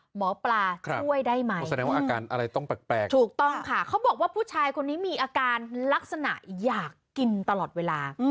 หมอปลาช่วยได้ไหมอืมถูกต้องค่ะเขาบอกว่าผู้ชายคนนี้มีอาการลักษณะอยากกินตลอดเวลา